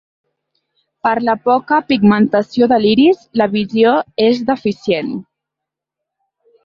Per la poca pigmentació de l'iris la visió és deficient.